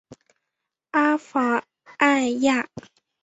阿法埃娅。